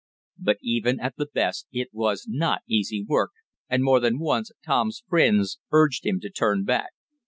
But even at the best it was not easy work, and more than once Tom's friends urged him to turn back.